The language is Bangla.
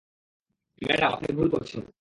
ম্যাডাম, আপনি ভুল করছেন।